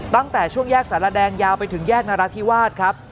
ตั้งแต่ช่วงแยกสารแดงยาวไปถึงแยกนราธิวาสครับ